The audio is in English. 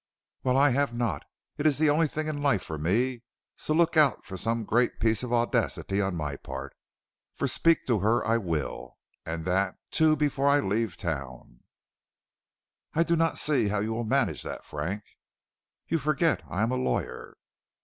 "Well, I have not. It is the one thing in life for me; so look out for some great piece of audacity on my part, for speak to her I will, and that, too, before I leave the town." "I do not see how you will manage that, Frank." "You forget I am a lawyer."